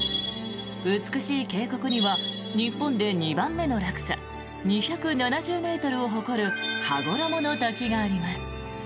美しい渓谷には日本で２番目の落差２７０ｍを誇る羽衣の滝があります。